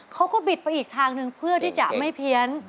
บิดไปอีกทางหนึ่งเพื่อที่จะไม่เพี้ยน